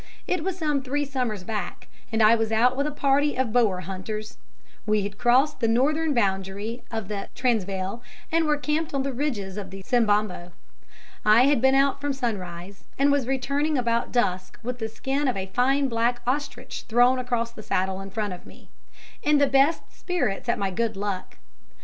It was some three summers back, and I was out with a party of Boer hunters. We had crossed the Northern boundary of the Transvaal, and were camped on the ridges of the Sembombo. I had been out from sunrise, and was returning about dusk with the skin of a fine black ostrich thrown across the saddle in front of me, in the best of spirits at my good luck.